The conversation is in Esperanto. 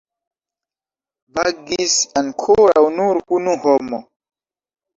Vagis ankoraŭ nur unu homo.